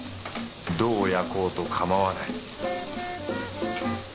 どう焼こうとかまわない